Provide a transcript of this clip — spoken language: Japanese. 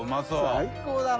最高だな。